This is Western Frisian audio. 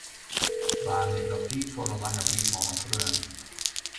Wa nimt noch tiid foar in lange brief oan in freon?